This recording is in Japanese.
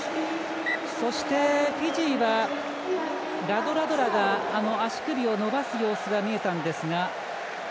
そして、フィジーはラドラドラが足首を伸ばす様子が見えたんですが。